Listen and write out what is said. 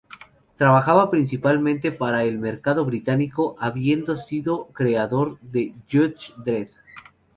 Trabajaba principalmente para el mercado británico, habiendo sido el cocreador de "Judge Dredd".